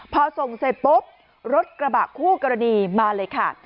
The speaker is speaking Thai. พอส่งเสร็จปุ๊บรถกระบะคู่กรณีมาเลยค่ะ